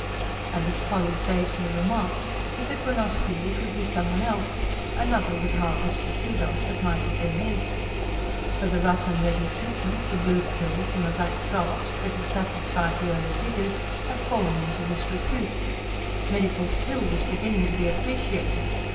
And as Polly sagely remarked: if it were not he, it would be some one else; another would harvest the KUDOS that might have been his. For the rough and ready treatment the blue pills and black draughts that had satisfied the early diggers had fallen into disrepute; medical skill was beginning to be appreciated.